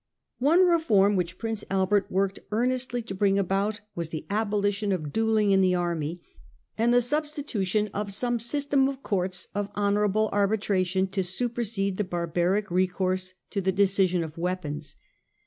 One reform which Prince Albert worked earnestly to bring about, was the abolition of duelling in the army, and the substitution of some system of courts of honourable arbitration to supersede the barbaric recourse to the decision of weapons.